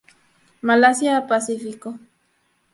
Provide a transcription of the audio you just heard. Malasia a Pacífico.